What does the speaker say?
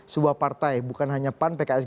sebuah partai bukan hanya pan pks